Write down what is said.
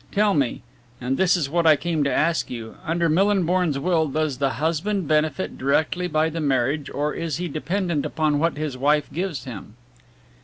Tell me, and this is what I came to ask you, under Millinborn's will, does the husband benefit directly by the marriage, or is he dependent upon what his wife gives him?'